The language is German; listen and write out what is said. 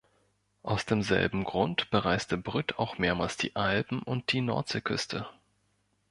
Aus demselben Grund bereiste Brütt auch mehrmals die Alpen und die Nordseeküste.